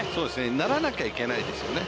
ならなきゃいけないですよね。